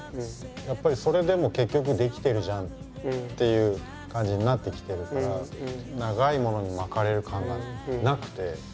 やっぱりそれでも結局できてるじゃんっていう感じになってきてるから長いものに巻かれる感がなくて。